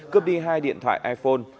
cướp đi hai điện thoại iphone